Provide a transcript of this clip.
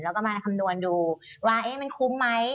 แล้วก็มาคำนวณดูว่ามันคุ้มไหม